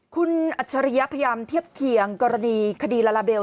คุณอัจฉริยะพยายามเทียบเคียงกรณีคดีลาลาเบล